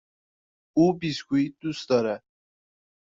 او بیسکوییت دوست دارد.